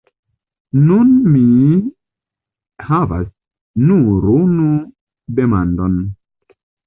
Nun mi havas nur unu demandon.